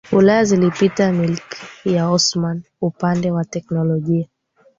Ulaya zilipita Milki ya Osmani upande wa teknolojia